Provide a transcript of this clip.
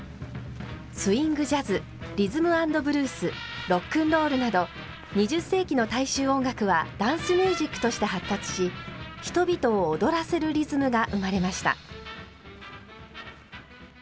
スイングジャズリズム・アンド・ブルースロックンロールなど２０世紀の大衆音楽はダンスミュージックとして発達し人々を踊らせるリズムが生まれました。